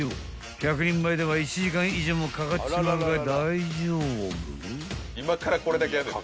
［１００人前では１時間以上もかかっちまうが大丈夫？］